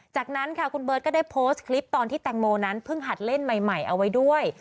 จากนั้นค่ะคุณเบิร์ตก็ได้โพสต์คลิปตอนที่แตงโมนั้นเพิ่งหัดเล่นใหม่เอาไว้ด้วย